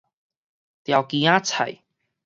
調羹仔菜